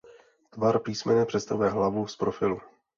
Tvar písmene představuje hlavu z profilu.